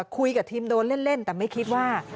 คุยกับทีมโดนเล่นแต่ไม่คิดว่า